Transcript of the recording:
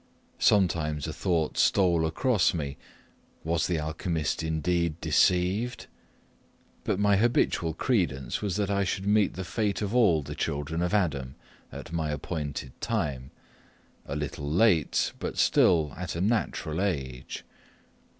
Sometimes a thought stole across me Was the alchymist indeed deceived? But my habitual credence was, that I should meet the fate of all the children of Adam at my appointed time a little late, but still at a natural age.